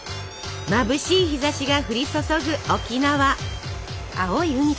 まぶしい日ざしが降り注ぐ沖縄。